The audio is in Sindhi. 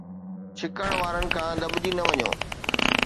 ڇڪڻ وارن کان دٻجي نه وڃو